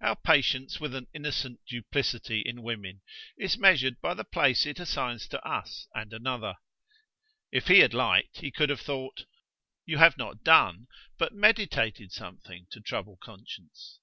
Our patience with an innocent duplicity in women is measured by the place it assigns to us and another. If he had liked he could have thought: "You have not done but meditated something to trouble conscience."